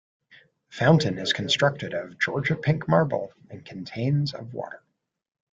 The fountain is constructed of Georgia pink marble and contains of water.